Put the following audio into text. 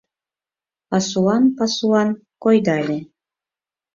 Пасуан-пасуан койдале.